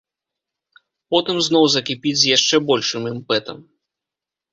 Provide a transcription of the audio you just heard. Потым зноў закіпіць з яшчэ большым імпэтам.